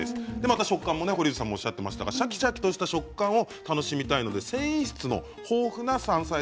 また食感もね堀内さんもおっしゃってましたがシャキシャキとした食感を楽しみたいので繊維質の豊富な山菜で作るとおいしい。